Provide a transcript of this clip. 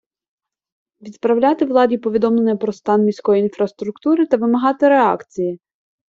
Відправляти владі повідомлення про стан міської інфраструктури та вимагати реакції.